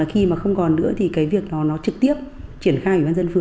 không còn hội đồng nhân dân